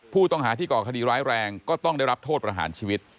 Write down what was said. ผู้ต้องหาที่ก่อคดีร้ายแรงก็ต้องได้รับโทษประหารชีวิต